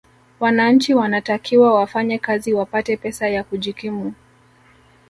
wananchi wanatakiwa wafanye kazi wapate pesa ya kujikimu